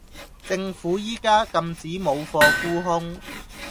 政府依家禁止冇貨沽空